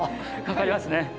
かかりますね。